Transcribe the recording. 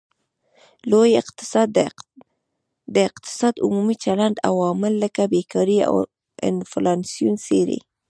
لوی اقتصاد د اقتصاد عمومي چلند او عوامل لکه بیکاري او انفلاسیون څیړي